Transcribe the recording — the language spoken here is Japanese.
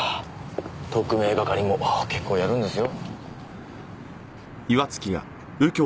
特命係も結構やるんですよ。